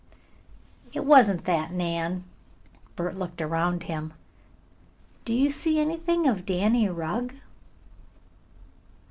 "It wasn't that, Nan." Bert looked around him. "Do you see anything of Danny Rugg?"